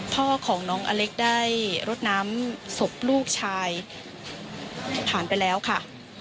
พ่อของน้องอเล็กได้รดน้ำศพลูกชายผ่านไปแล้วค่ะ